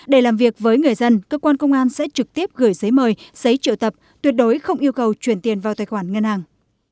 để làm việc với người dân cơ quan công an sẽ trực tiếp gửi giấy mời giấy triệu tập tuyệt đối không yêu cầu chuyển tiền vào tài khoản ngân hàng